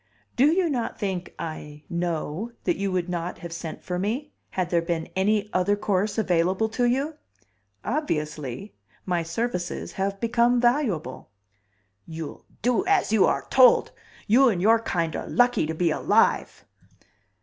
"Do you not think I know that you would not have sent for me had there been any other course available to you? Obviously, my services have become valuable." "You'll do as you are told! You and your kind are lucky to be alive."